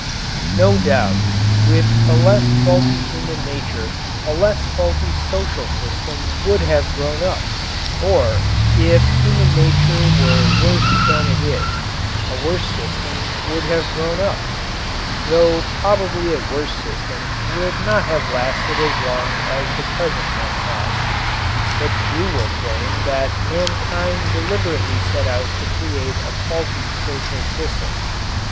No doubt, with a less faulty human nature a less faulty social system would have grown up. Or, if human nature were worse than it is, a worse system would have grown up though probably a worse system would not have lasted as long as the present one has. But few will claim that mankind deliberately set out to create a faulty social system.